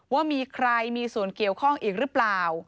ว่ามีใครมีส่วนเกี่ยวข้องอีกหรือเปล่า